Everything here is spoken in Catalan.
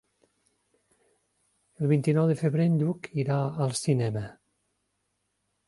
El vint-i-nou de febrer en Lluc irà al cinema.